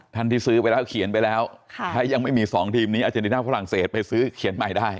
ที่ซื้อไปแล้วเขียนไปแล้วถ้ายังไม่มี๒ทีมนี้อาเจนติน่าฝรั่งเศสไปซื้อเขียนใหม่ได้